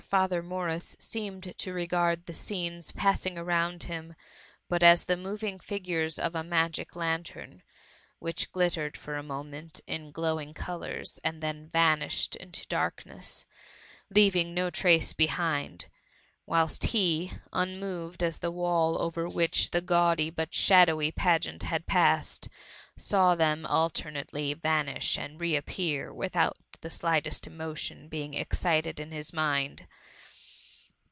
Father Morris seemed to regard tfae scenes passing around him but as the moving figures of a magic lantern, which glittered for a moment In glowing colours, and then vanished into darkness, leaving no traee behind ;— whilst he, unmoved as the wall over which the gaudy but shadowy page^uiit had passed, saw them alternately vanish and re appear without the slightest emotion being excited in his mind.